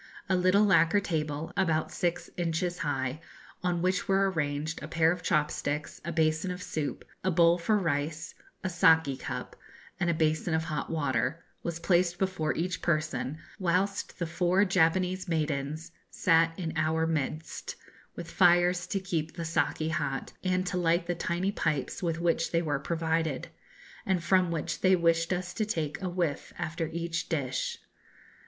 A little lacquer table, about six inches high, on which were arranged a pair of chop sticks, a basin of soup, a bowl for rice, a saki cup, and a basin of hot water, was placed before each person, whilst the four Japanese maidens sat in our midst, with fires to keep the saki hot, and to light the tiny pipes with which they were provided, and from which they wished us to take a whiff after each dish.